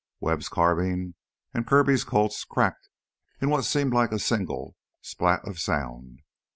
Webb's carbine and Kirby's Colts cracked in what seemed like a single spat of sound.